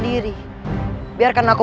diri biarkan aku